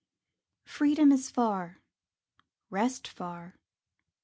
Freedom is far, rest far.